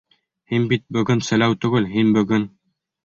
Һин бөгөн селәү түгел, һин бөгөн...